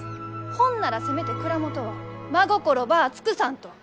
ほんならせめて蔵元は真心ばあ尽くさんと。